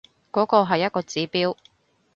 嗰個係一個指標